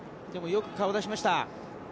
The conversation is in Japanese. でも、よく顔を出しました。